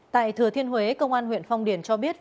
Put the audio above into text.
tại thừa thiên huế công an huyện phong điền cho biết